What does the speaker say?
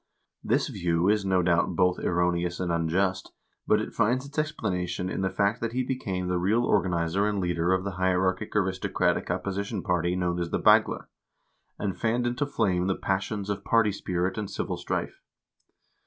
This view is, no doubt, both erroneous and unjust, but it finds its explanation in the fact that he became the real organizer and leader of the hierarchic aristocratic opposition party known as the "Bagler," and fanned into flame the passions of party spirit and civil strife.